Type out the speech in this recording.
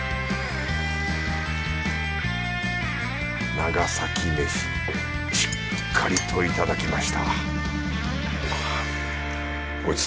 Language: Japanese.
長崎飯しっかりといただきましたごち。